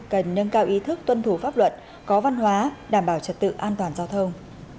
và trật tự an toàn giao thông